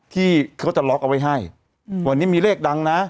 ที่เขาจะล็อกเอาไว้ให้วันนี้มีเลขดังนะ